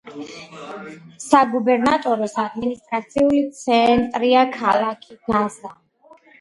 საგუბერნატოროს ადმინისტრაციული ცენტრია ქალაქი გაზა.